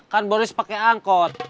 kan boris pakai angkot